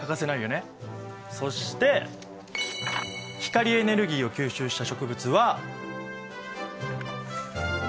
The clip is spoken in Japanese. そして光エネルギーを吸収した植物は。